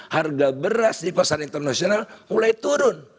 harga beras di pasar internasional mulai turun